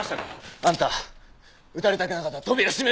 あんた撃たれたくなかったら扉閉めろ！